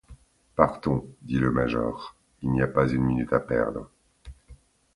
Partons, dit le major, il n’y a pas une minute à perdre.